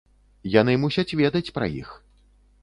Яны мусяць ведаць пра іх.